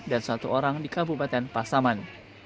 dan satu orang di kabupaten pasaman